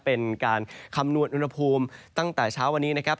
ก็จะมีการแผ่ลงมาแตะบ้างนะครับ